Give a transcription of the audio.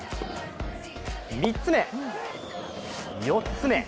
３つ目、４つ目。